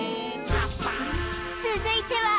続いては